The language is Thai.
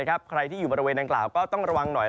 ใครที่อยู่บริเวณดังกล่าวก็ต้องระวังหน่อย